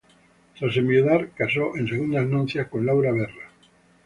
Tras enviudar, casó en segundas nupcias con Laura Berra.